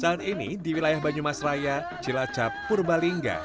saat ini di wilayah banyumas raya jelajah purbalingga